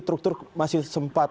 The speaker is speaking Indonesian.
truk truk masih sempat